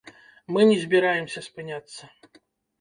Мы не збіраемся спыняцца!